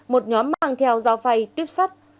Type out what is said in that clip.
một nhóm mang theo dao phay tuyếp sắt